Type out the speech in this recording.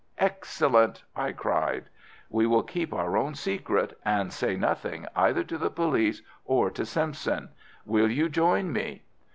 "Excellent!" I cried. "We will keep our own secret, and say nothing either to the police or to Simpson. Will you join me?"